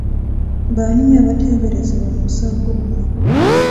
Baani abateeberezebwa mu musango guno?